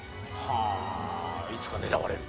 はあいつか狙われると。